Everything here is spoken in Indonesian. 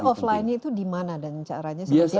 tapi offline itu dimana dan caranya seperti apa